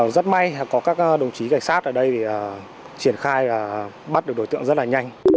rất may có các đồng chí cảnh sát ở đây triển khai và bắt được đối tượng rất là nhanh